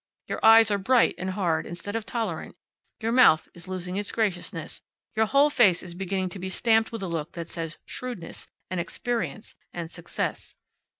Your eyes are bright and hard, instead of tolerant. Your mouth is losing its graciousness. Your whole face is beginning to be stamped with a look that says shrewdness and experience, and success."